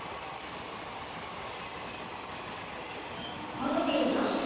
これでよし。